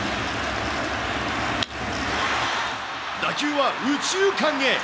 打球は右中間へ。